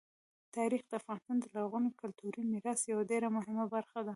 تاریخ د افغانستان د لرغوني کلتوري میراث یوه ډېره مهمه برخه ده.